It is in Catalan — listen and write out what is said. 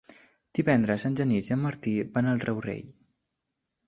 Divendres en Genís i en Martí van al Rourell.